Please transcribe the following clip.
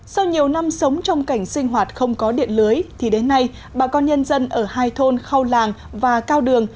sau nhiều năm sống trong cảnh sinh hoạt không có điện lưới thì đến nay bà con nhân dân ở hai thôn khâu làng và cao đường